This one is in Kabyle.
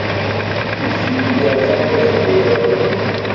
D kemm ay yerẓan tazewwut iḍelli.